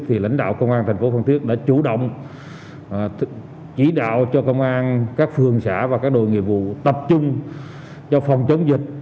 thì lãnh đạo công an thành phố phan thiết đã chủ động chỉ đạo cho công an các phường xã và các đội nghiệp vụ tập trung cho phòng chống dịch